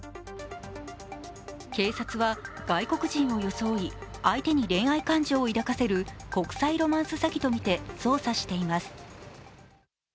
警察は外国人を装い相手に恋愛感情を抱かせる国際ロマンス詐欺とみて捜査しています。